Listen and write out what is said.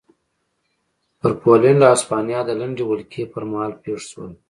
پر پولنډ او هسپانیا د لنډې ولکې پرمهال پېښ شول.